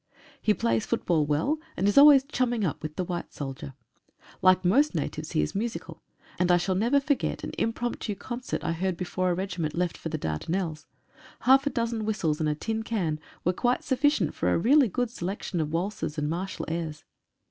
He plays football well, and is always chumming up with the white soldier. Like most natives he is musical, and I shall never forget an impromptu concert I heard before a regiment left for the Dardanelles. Half a dozen whistles and a tin can were quite sufficient for a really good selection of waltzes and martial airs.